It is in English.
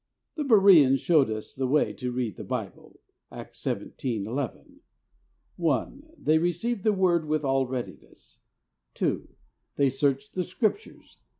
The Bereans show us the way to read the Bible (Acts 17: ii). i. They received the Word with all readiness. 2. They searched the Scriptures.